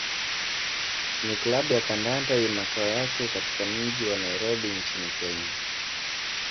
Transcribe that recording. ni klabu ya kandanda yenye makao yake katika mji wa Nairobi nchini Kenya.